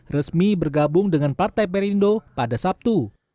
resmi bergabung dengan partai perindo pada sabtu